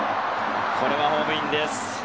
これはホームインです。